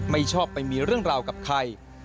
ไม่ชอบไปมีเรื่องราวกับใคร